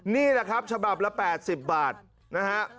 นี่แหละครับฉบับละ๘๐บาทนะฮะ